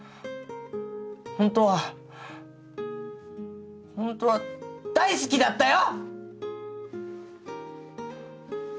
ホントはホントは大好きだったよ！